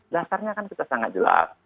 dasarnya kan kita sangat jelas